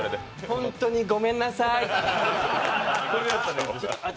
ホントにごめんなさい。